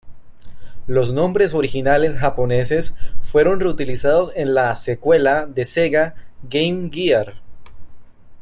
Los nombres originales japoneses fueron reutilizados en la "secuela" de Sega Game Gear.